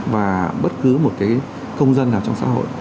và bất cứ một cái công dân nào trong xã hội